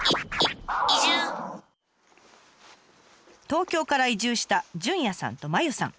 東京から移住したじゅんやさんとまゆさん。